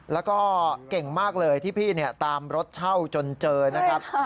แล้วก็เก่งมากเลยที่พี่ตามรถเช่าจนเจอนะครับ